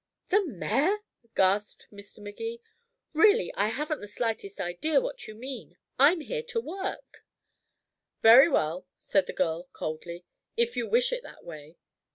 "The mayor," gasped Mr. Magee. "Really, I haven't the slightest idea what you mean. I'm here to work " "Very well," said the girl coldly, "if you wish it that way."